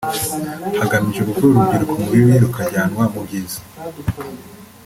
hagamijwe gukura urubyiruko mu bibi rukajyanwa mu byiza